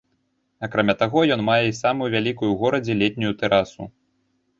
Акрамя таго, ён мае і самую вялікую ў горадзе летнюю тэрасу.